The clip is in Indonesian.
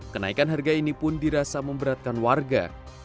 kenaikan harga ini pun dirasa memberatkan warga